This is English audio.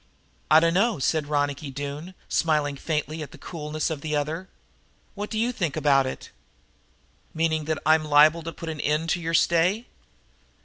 "I dunno," said Ronicky Doone, smiling faintly at the coolness of the other. "What do you think about it?" "Meaning that I'm liable to put an end to your stay?"